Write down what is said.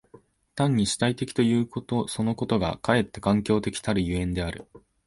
単に主体的ということそのことがかえって環境的たる所以である。